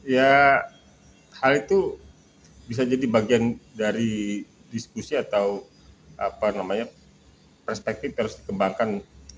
ya hal itu bisa jadi bagian dari diskusi atau perspektif yang harus dikembangkan